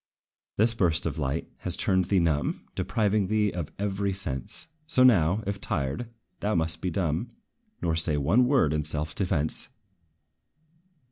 This burst of light has turned thee numb, Depriving thee of every sense; So now, if tried, thou must be dumb, Nor say one word in self defence!